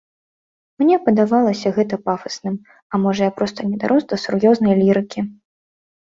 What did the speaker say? Мне падавалася гэта пафасным, а можа, я проста не дарос да сур'ёзнай лірыкі.